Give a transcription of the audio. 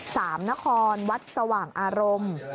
สามนครวัดสว่างอารมณ์